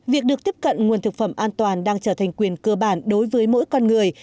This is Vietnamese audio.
việc được tiếp cận nguồn thực phẩm an toàn đang trở thành quyền cơ bản đối với mỗi con người